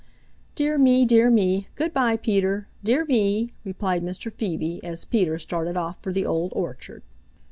"Dear me! Dear me! Good by Peter. Dear me!" replied Mr. Phoebe as Peter started off for the Old Orchard.